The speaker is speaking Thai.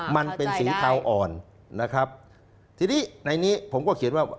มันเป็นสีเทาอ่อนนะครับทีนี้ในนี้ผมก็เขียนว่า